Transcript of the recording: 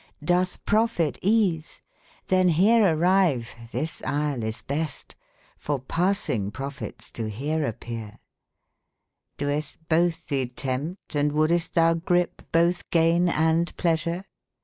Ooetb profit ease? then here arrive, this yle is best* for passinge prof ettes do bere appeare* Doetb botbe tbee tempte, and woldest tbou gripe botb gaine and pleasure